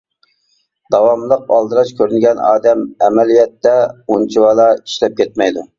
-داۋاملىق ئالدىراش كۆرۈنگەن ئادەم ئەمەلىيەتتە ئۇنچىۋالا ئىشلەپ كەتمەيدۇ.